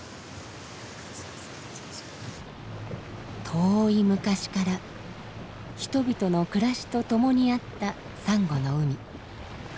遠い昔から人々の暮らしとともにあったサンゴの海。